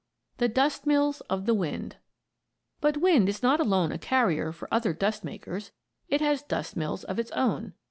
THE DUST MILLS OF THE WIND But wind is not alone a carrier for other dust makers; it has dust mills of its own.